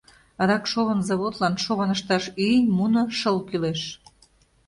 Адак шовын заводлан шовын ышташ ӱй, муно, шыл кӱлеш.